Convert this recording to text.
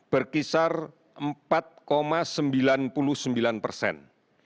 berkisar empat sembilan puluh sembilan persen